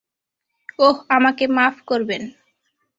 অহ, আমাকে মাফ করবেন।